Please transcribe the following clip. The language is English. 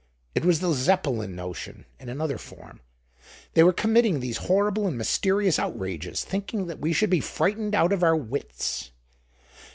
It was the Zeppelin notion, in another form; they were committing these horrible and mysterious outrages thinking that we should be frightened out of our wits.